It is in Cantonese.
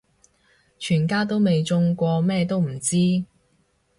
全家都未中過咩都唔知